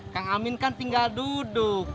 kang amin kan tinggal duduk